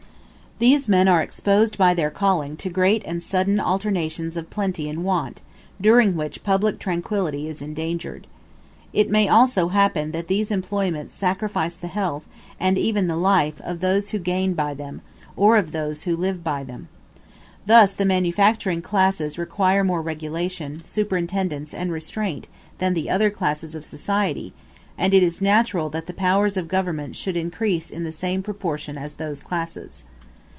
These men are exposed by their calling to great and sudden alternations of plenty and want, during which public tranquillity is endangered. It may also happen that these employments sacrifice the health, and even the life, of those who gain by them, or of those who live by them. Thus the manufacturing classes require more regulation, superintendence, and restraint than the other classes of society, and it is natural that the powers of government should increase in the same proportion as those classes.